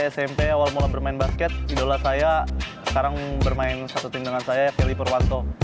smp awal mula bermain basket idola saya sekarang bermain satu tim dengan saya pelly purwanto